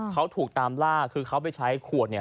เขาถูกตามลากคือเขาไปใช้ขวด